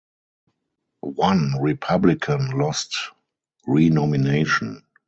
One Republican lost renomination.